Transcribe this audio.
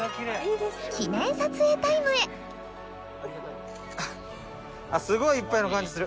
記念撮影タイムへすごいいっぱいな感じする。